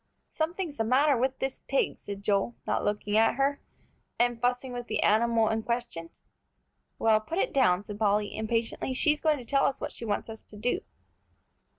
"Something's the matter with this pig," said Joel, not looking at her, and fussing with the animal in question. "Well, put it down," said Polly, impatiently. "She's going to tell us what she wants us to do."